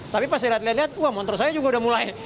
tapi pas lihat lihat wah motor saya juga udah mulai